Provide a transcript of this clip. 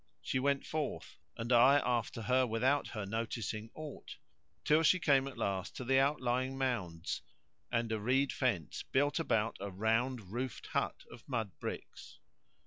She went forth (and I after her without her noticing aught) till she came at last to the outlying mounds[FN#120] and a reed fence built about a round roofed hut of mud bricks.